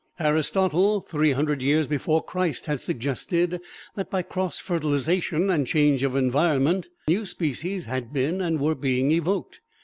Aristotle, three hundred years before Christ, had suggested that, by cross fertilization and change of environment, new species had been and were being evoked.